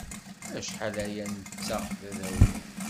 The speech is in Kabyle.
Acḥal aya netta d adawi.